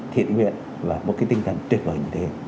tình nguyện và một tinh thần tuyệt vời như thế